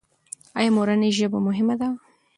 ایا مورنۍ ژبه مهمه ده؟